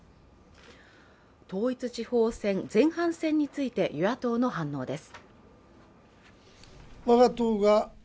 統一地方選前半戦について与野党の反応です。